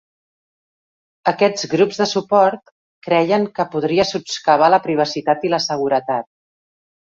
Aquest grups de suport creien que podria sots-cavar la privacitat i la seguretat.